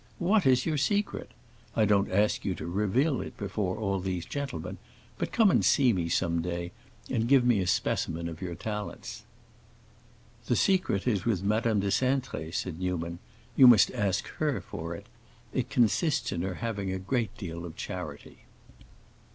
What is your secret? I don't ask you to reveal it before all these gentlemen, but come and see me some day and give me a specimen of your talents." "The secret is with Madame de Cintré," said Newman. "You must ask her for it. It consists in her having a great deal of charity."